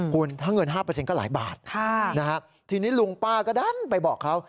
คุณถ้าเงิน๕ก็หลายบาททีนี้ลุงป้าก็ดันไปบอกเขา